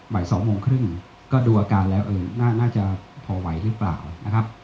๒โมงครึ่งก็ดูอาการแล้วน่าจะพอไหวหรือเปล่านะครับ